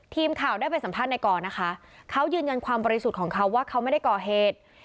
ทีมข่าวได้ไปสัมภาษณ์ในกรนะคะเขายืนยันความบริสุทธิ์ของเขาว่าเขาไม่ได้ก่อเหตุ